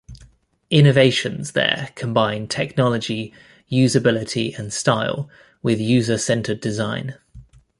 Innovations there combine technology, usability and style with user centered design.